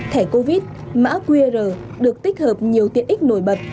thẻ covid mã qr được tích hợp nhiều tiện ích nổi bật